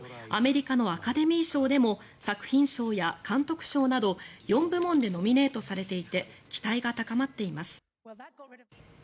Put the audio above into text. アメリカのアカデミー賞でも作品賞や監督賞など４部門でノミネートされていて期待が高まっています。